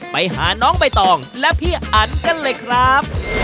ไปหาน้องใบตองและพี่อันกันเลยครับ